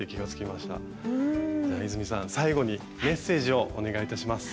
泉さん最後にメッセージをお願いいたします。